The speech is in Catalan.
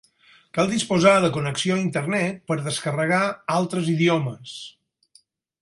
Cal disposar de connexió a internet per descarregar altres idiomes.